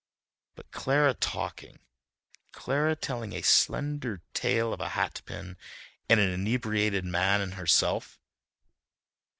But Clara talking, Clara telling a slender tale of a hatpin and an inebriated man and herself....